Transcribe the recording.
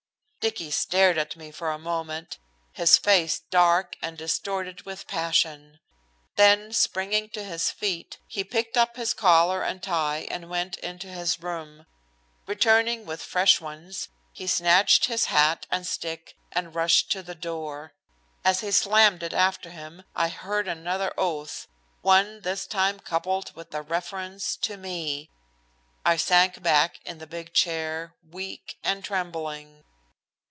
Dicky stared at me for a moment, his face dark and distorted with passion. Then, springing to his feet, he picked up his collar and tie and went into his room. Returning with fresh ones, he snatched his hat and stick and rushed to the door. As he slammed it after him I heard another oath, one this time coupled with a reference to me. I sank back in the big chair weak and trembling.